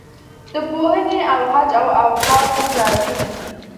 د پوهنې او حج او اوقافو وزارتونه دي.